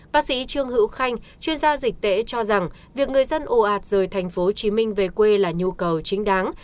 bác sĩ trương hữu khanh chuyên gia dịch tễ cho rằng việc người dân ồ ạt rời tp hcm về quê là nhu cầu chính đáng